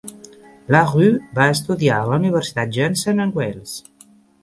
LaRue va estudiar a la Universitat Johnson and Wales.